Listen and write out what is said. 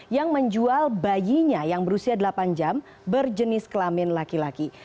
yang menjual bayinya yang berusia delapan jam berjenis kelamin laki laki